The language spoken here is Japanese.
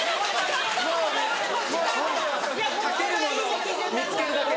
かけるものを見つけるだけ。